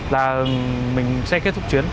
là mình sẽ kết thúc chuyển